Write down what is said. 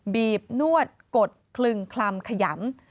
บนวดกดคลึงคลำขยำ